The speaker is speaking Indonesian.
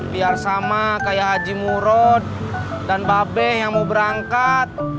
biar sama kayak haji murod dan babe yang mau berangkat